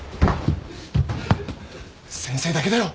先生だけだよ。